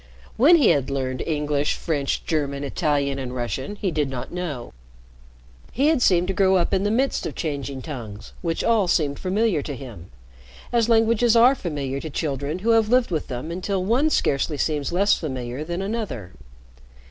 When he had learned English, French, German, Italian, and Russian he did not know. He had seemed to grow up in the midst of changing tongues which all seemed familiar to him, as languages are familiar to children who have lived with them until one scarcely seems less familiar than another.